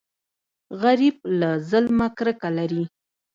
غریب له ظلمه کرکه لري